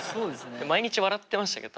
毎日笑ってましたけど。